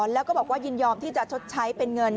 แล้วก็บอกว่ายินยอมที่จะชดใช้เป็นเงิน